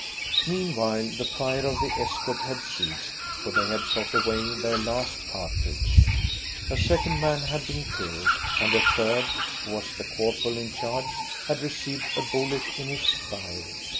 Meanwhile the fire of the escort had ceased, for they had shot away their last cartridge. A second man had been killed, and a third who was the corporal in charge had received a bullet in his thigh.